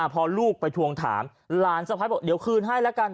พอลูกไปทวงถามหลานสะพ้ายบอกเดี๋ยวคืนให้แล้วกัน